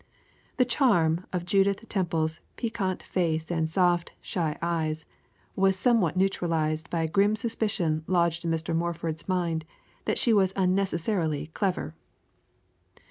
The charm of Judith Temple's piquant face and soft, shy eyes was somewhat neutralized by a grim suspicion lodged in Mr. Morford's mind that she was unnecessarily clever.